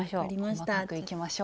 細かくいきましょう。